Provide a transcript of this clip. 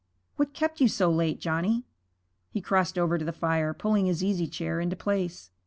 What kept you out so late, Johnny?' He crossed over to the fire, pulling his easy chair into place.